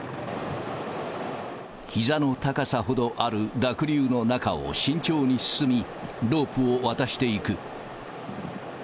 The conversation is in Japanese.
ひざの高さほどある濁流の中を慎重に進み、ロープを渡していく。